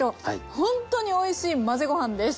ほんとにおいしい混ぜご飯です。